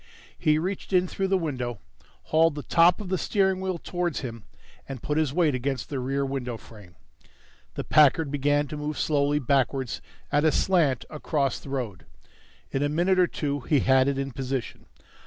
He reached in through the window, hauled the top of the steering wheel towards him and put his weight against the rear window frame. The Packard began to move slowly backwards at a slant across the road. In a minute or two he had it in position.